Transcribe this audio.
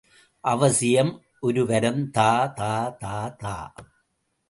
அவசியம் ஒருவரம் தா தா தா.